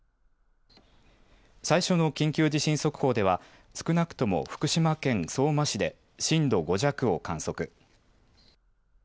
最初の緊急地震速報では少なくとも福島県相馬市で震度５弱を観測。